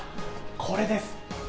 これです！